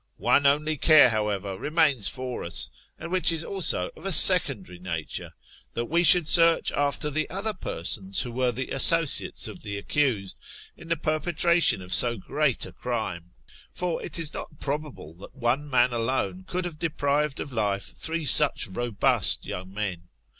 One only cara^ however, remains for us, and which is ' also of a secondary nature, that we should search after the other persons who were the associates of the accused, in the perpetration of so great a crime. For it is not probable, that one man alone could have deprived of life three such robust young men.